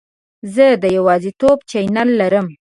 زه د یوټیوب چینل لرم.